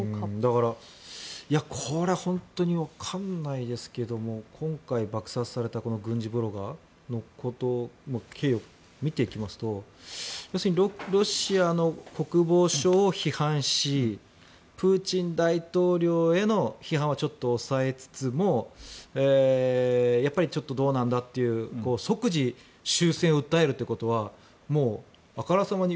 だから、これは本当にわかんないですけども今回、爆殺された軍事ブロガーのこと経緯を見ていきますとロシアの国防省を批判しプーチン大統領への批判はちょっと抑えつつもやっぱりちょっとどうなんだという即時終戦を訴えるということはもう、あからさまに。